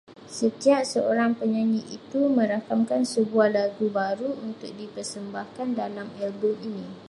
Setiap seorang penyanyi ini merakamkan sebuah lagu baru untuk di persembahkan dalam album ini